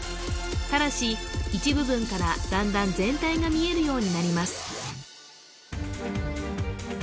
ただし一部分から段々全体が見えるようになります